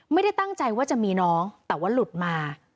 ไม่ได้ตั้งใจว่าจะมีน้องแต่ว่าหลุดมา